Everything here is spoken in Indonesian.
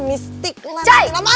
miss tik lah